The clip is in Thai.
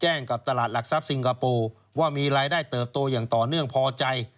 กับตลาดหลักทรัพย์สิงคโปร์ว่ามีรายได้เติบโตอย่างต่อเนื่องพอใจ